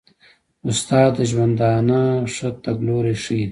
استاد د ژوندانه ښه تګلوری ښيي.